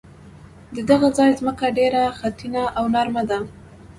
د دغه ځای ځمکه ډېره خټینه او نرمه وه.